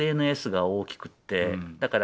ＳＮＳが大きくて。